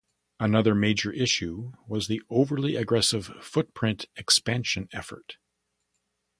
Another major issue was the overly aggressive footprint expansion effort.